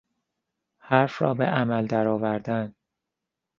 حرف را به عمل درآوردن